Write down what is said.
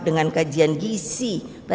dengan kajian gisi